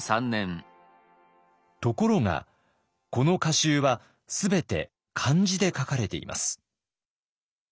ところがこの歌集は全て漢字で書かれています。